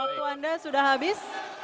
waktu anda sudah habis